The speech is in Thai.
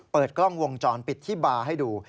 เปิดกล้องวงจรปิดที่บาร์ให้ดู